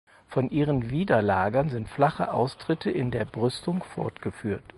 Von ihren Widerlagern sind flache Austritte in der Brüstung fortgeführt.